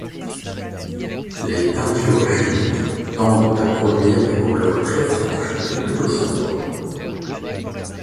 Les teintures chimiques tendent à produire des couleurs très franches et plutôt sombres.